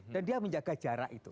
dan dia menjaga jarak itu